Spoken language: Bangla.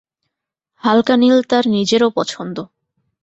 হালকা নীল তার নিজেরও পছন্দ।